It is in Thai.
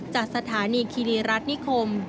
จากสถานีคิริรัฐนิคม